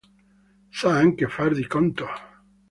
Sa anche far di conto.